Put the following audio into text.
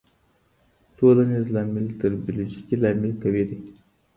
ټولنيز لامل تر بيولوژيکي لامل قوي دی.